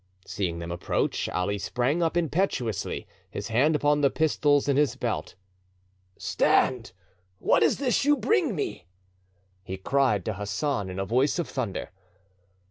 Seeing them approach, Ali sprang up impetuously, his hand upon the pistols in his belt. "Stand! ... what is it you bring me?" he cried to Hassan in a voice of thunder.